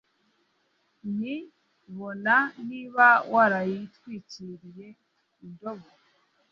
Nti: bona niba warayitwikiriye intobo,